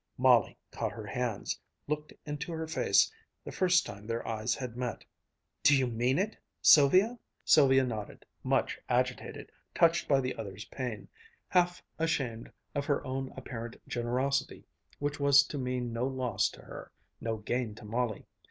Molly caught her hands, looked into her face, the first time their eyes had met. "Do you mean it ... Sylvia?" Sylvia nodded, much agitated, touched by the other's pain, half ashamed of her own apparent generosity which was to mean no loss to her, no gain to Molly.